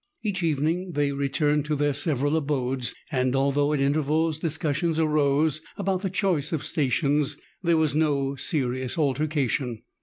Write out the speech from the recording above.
Each evening they returned to their several abodes, and although at intervals discussions arose about the choice of stations, there was no serious altercation.